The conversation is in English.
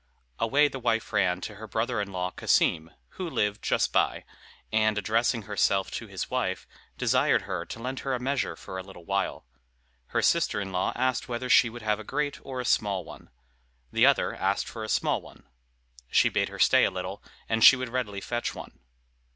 Away the wife ran to her brother in law Cassim, who lived just by, and, addressing herself to his wife, desired her to lend her a measure for a little while. Her sister in law asked her whether she would have a great or a small one. The other asked for a small one. She bade her stay a little, and she would readily fetch one.